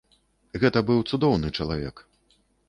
Гэта быў цудоўны чалавек.